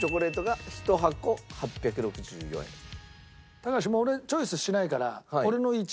高橋もう俺チョイスしないから。